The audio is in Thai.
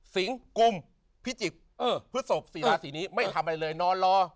สิงกุมพิจิกพฤศพสี่ราศีนี้ไม่ทำอะไรเลยนอนรอ